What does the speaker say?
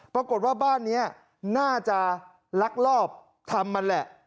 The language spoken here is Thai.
ปรากฏว่าบ้านนี้น่าจะลักลอบทำมันแหละ